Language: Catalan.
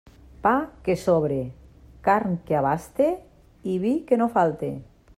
Pa que sobre, carn que abaste i vi que no falte.